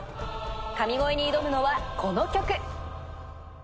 神声に挑むのはこの曲。